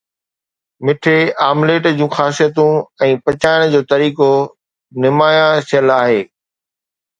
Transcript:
مٺي omelette جون خاصيتون ۽ پچائڻ جو طريقو نمايان ٿيل آهي